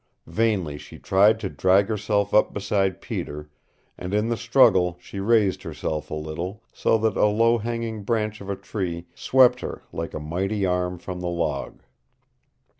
Vainly she tried to drag herself up beside Peter, and in the struggle she raised herself a little, so that a low hanging branch of a tree swept her like a mighty arm from the log.